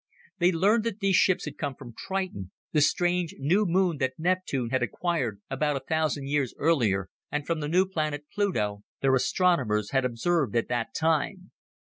They learned that these ships had come from Triton, the strange new moon that Neptune had acquired about a thousand years earlier, and from the new planet, Pluto, their astronomers had observed at that time.